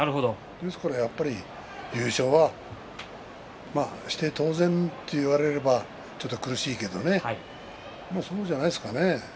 ですから優勝はして当然と言われればちょっと苦しいけどねそうじゃないですかね。